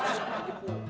susah banget ya po